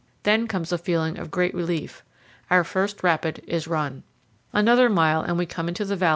Then comes a feeling of great relief. Our first rapid is run. Another mile, and we come into the valley again.